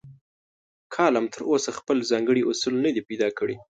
کالم تراوسه خپل ځانګړي اصول نه دي پیدا کړي.